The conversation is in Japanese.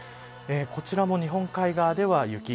こちらも日本海側では雪。